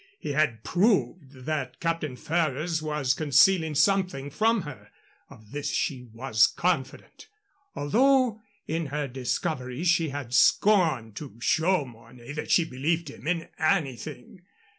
He had proved that Captain Ferrers was concealing something from her of this she was confident; although in her discovery she had scorned to show Mornay that she believed him in anything.